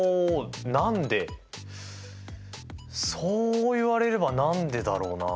そう言われれば何でだろうなあ。